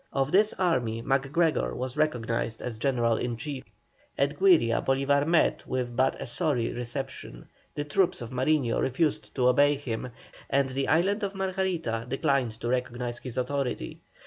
Of this army MacGregor was recognised as general in chief. At Güiria Bolívar met with but a sorry reception, the troops of Mariño refused to obey him, and the island of Margarita declined to recognise his authority.